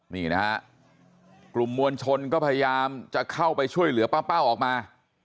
นี่นะฮะกลุ่มมวลชนก็พยายามจะเข้าไปช่วยเหลือป้าเป้าออกมา